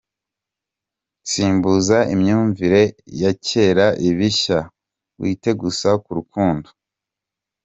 Simbuza imyumvire ya kera ibishya wite gusa ku rukundo .